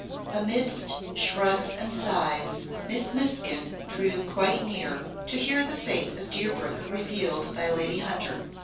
Amidst shrugs and sighs, Miss Miskin drew quite near, to hear the fate of Deerbrook revealed by Lady Hunter.